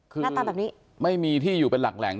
คือหน้าตาแบบนี้ไม่มีที่อยู่เป็นหลักแหล่ง